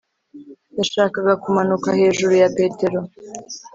yashakaga kumanuka hejuru ya petero;